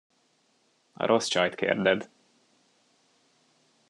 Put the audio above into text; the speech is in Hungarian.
A rossz csajt kérded.